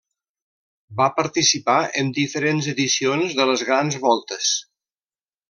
Va participar en diferents edicions de les grans voltes.